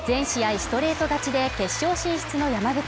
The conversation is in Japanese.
ストレート勝ちで決勝進出の山口。